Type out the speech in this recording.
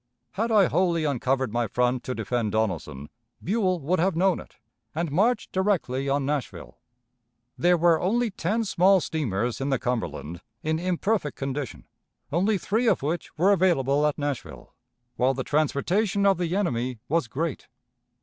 Had I wholly uncovered my front to defend Donelson, Buell would have known it, and marched directly on Nashville. There were only ten small steamers in the Cumberland, in imperfect condition, only three of which were available at Nashville, while the transportation of the enemy was great.